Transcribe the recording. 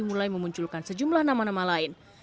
mulai memunculkan sejumlah nama nama lain